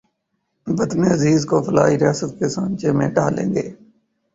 وطن عزیز کو فلاحی ریاست کے سانچے میں ڈھالیں گے